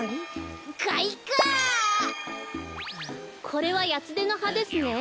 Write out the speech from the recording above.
これはヤツデのはですね。